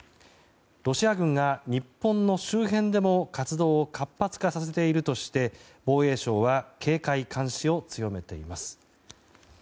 ロシア軍が日本の周辺でも活動を活発化させているとして防衛省は警戒監視を強めています。